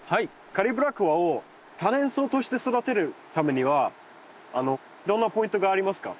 カリブラコアを多年草として育てるためにはどんなポイントがありますか？